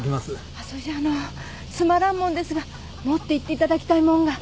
そいじゃつまらん物ですが持っていっていただきたい物が。